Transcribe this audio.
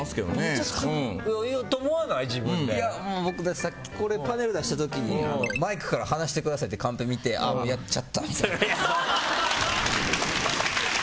いや、これさっきパネル出した時にマイクから離してくださいってカンペ見てあ、もうやっちゃったみたいな。